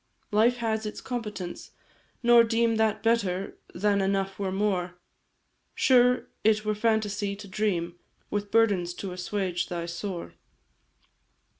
"Life has its competence nor deem That better than enough were more; Sure it were phantasy to dream With burdens to assuage thy sore.